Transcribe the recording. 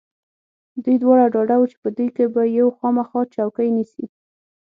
دوی دواړه ډاډه و چې په دوی کې به یو خامخا چوکۍ نیسي.